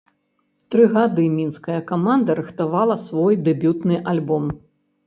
Тры гады мінская каманда рыхтавала свой дэбютны альбом.